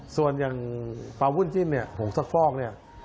ส่วนอย่างปลาวุ้นจิ้นเนี่ยหงสกปลอกเนี่ย